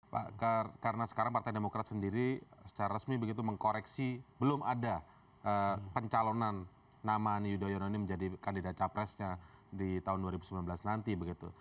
pak karena sekarang partai demokrat sendiri secara resmi begitu mengkoreksi belum ada pencalonan nama ani yudhoyono ini menjadi kandidat capresnya di tahun dua ribu sembilan belas nanti begitu